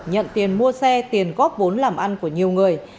nhận tiền mua xe tiền góp vốn làm ăn của nhiều người